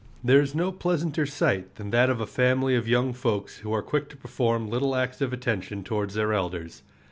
There is no pleasanter sight than that of a family of young folks who are quick to perform little acts of attention towards their elders.